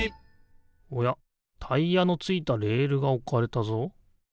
タイヤのついたレールがおかれたぞ。